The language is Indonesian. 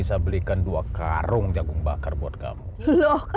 aku aku juga nyesel ma